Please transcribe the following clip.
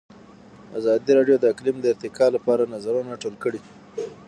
ازادي راډیو د اقلیم د ارتقا لپاره نظرونه راټول کړي.